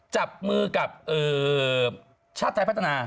จับมือกับชาติไทยพัฒนา